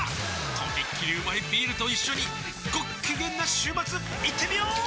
とびっきりうまいビールと一緒にごっきげんな週末いってみよー！